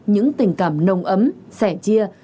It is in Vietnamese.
những tình cảm nông ấm sẻ chia